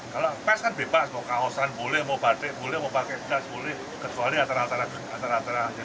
kalau pns kan bebas mau kaosan boleh mau batik boleh mau pakai jelas boleh